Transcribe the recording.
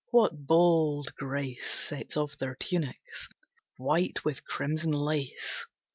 What bold grace Sets off their tunics, white with crimson lace!